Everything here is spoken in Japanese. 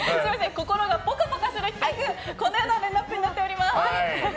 心がぽかぽかする企画このようなラインアップになっています。